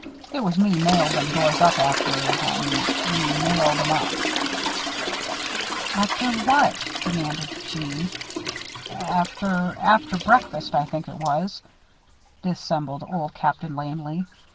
It was me nailed them doors up after hum me nailed 'em up." "After what?" demanded Jeanne. "After after breakfast, I think it was," dissembled Old Captain, lamely.